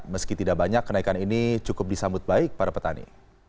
meski tidak banyak kenaikan ini cukup disambut baik para petani